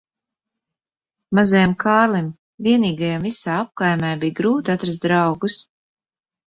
Mazajam Kārlim vienīgajam visā apkaimē bija grūti atrast draugus.